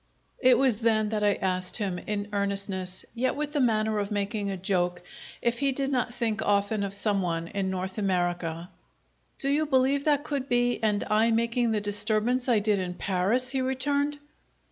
It was then that I asked him, in earnestness, yet with the manner of making a joke, if he did not think often of some one in North America. "Do you believe that could be, and I making the disturbance I did in Paris?" he returned.